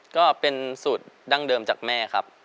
ก็เป็นสูตรดั้งเดิมจากแม่ครับ